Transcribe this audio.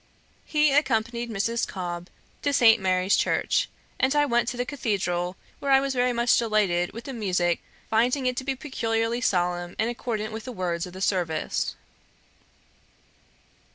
He accompanied Mrs. Cobb to St. Mary's church, and I went to the cathedral, where I was very much delighted with the musick, finding it to be peculiarly solemn and accordant with the words of the service.